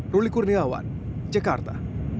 ruli kurniawan jakarta